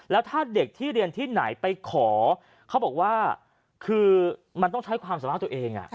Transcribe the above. แล้วถ้าเด็กที่เรียนที่ไหนไปขอเขาบอกว่าคือมันต้องใช้ความสามารถตัวเอง